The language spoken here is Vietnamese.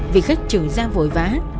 vì khách trường ra vội vã